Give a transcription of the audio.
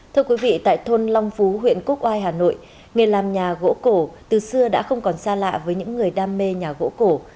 thưa quý vị tại thôn long phú huyện quốc oai hà nội nghề làm nhà gỗ cổ từ xưa đã không còn xa lạ với những người đam mê nhà gỗ cổ